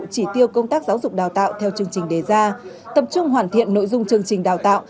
chỉ tiêu công tác giáo dục đào tạo theo chương trình đề ra tập trung hoàn thiện nội dung chương trình đào tạo